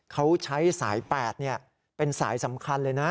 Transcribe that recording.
เขาใช้สาย๘เป็นสายสำคัญเลยนะ